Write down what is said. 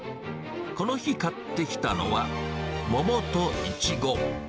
この日買ってきたのは、桃とイチゴ。